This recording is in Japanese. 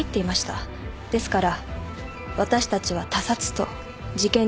ですから私たちは他殺と事件認定しました。